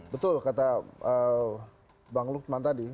betul kata bang lukman tadi